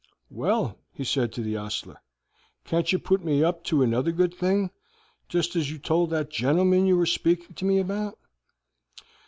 "Well," he said to the ostler, "can't you put me up to another good thing, just as you told that gentleman you were speaking to me about?"